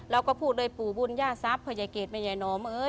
เราก็พูดเลยปู่บุญย่าทรัพย์พยายเกรตมัยยายน้อมเอ๊ย